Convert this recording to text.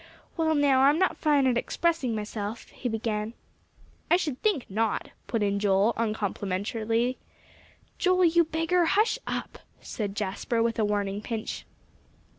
"Well, now, I'm not fine at expressing myself," he began. "I should think not," put in Joel uncomplimentarily. "Joe, you beggar, hush up!" said Jasper, with a warning pinch.